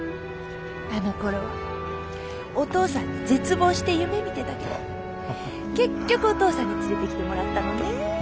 あのころはお父さんに絶望して夢みてたけど結局お父さんに連れてきてもらったのね。